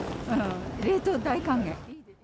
冷凍大歓迎！